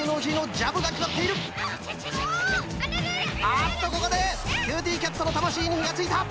あっとここでキューティーキャットのたましいにひがついた！